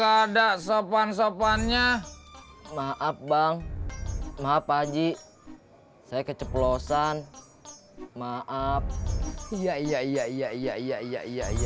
ada sopan sopannya maaf bang maaf haji saya keceplosan maaf iya iya iya iya iya iya iya